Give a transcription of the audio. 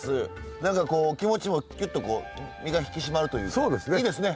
何かこう気持ちもキュッと身が引き締まるというかいいですね。